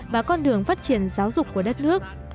và con đường phát triển giáo dục của đất nước